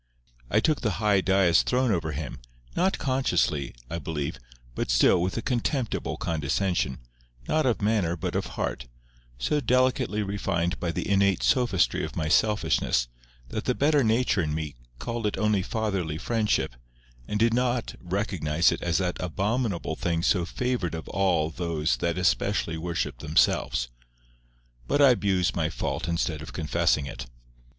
I took the high dais throne over him, not consciously, I believe, but still with a contemptible condescension, not of manner but of heart, so delicately refined by the innate sophistry of my selfishness, that the better nature in me called it only fatherly friendship, and did not recognize it as that abominable thing so favoured of all those that especially worship themselves. But I abuse my fault instead of confessing it.